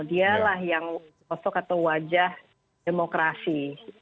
dialah yang sosok atau wajah demokrasi